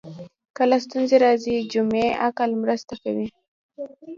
کله ستونزې راځي جمعي عقل مرسته کوي